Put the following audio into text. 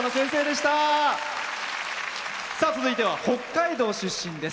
続いては北海道出身です。